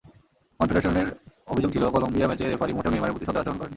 কনফেডারেশনের অভিযোগ ছিল কলম্বিয়া ম্যাচে রেফারি মোটেও নেইমারের প্রতি সদয় আচরণ করেননি।